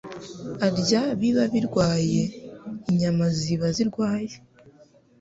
arya biba birwaye. Inyama ziba zirwaye.